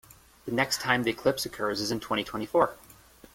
The next time the eclipse occurs is in twenty-twenty-four.